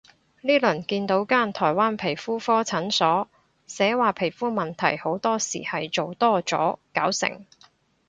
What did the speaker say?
呢輪見到間台灣皮膚科診所，寫話皮膚問題好多時係做多咗搞成